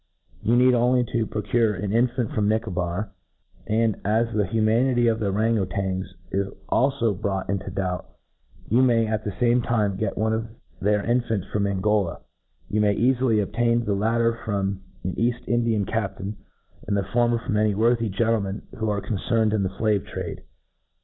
You need only to procure an infant from Nicobar, and, as the humanity of the Ouran Outangs is aHb brought into doubt, you may^ at the lame time, get one of their infants from Angoiav «^ ^You may eafi* ]y obtain the latter from an £aft4ndia captain^ imd the former from any worthy gentlemen who are c^icerned ia the flave trade.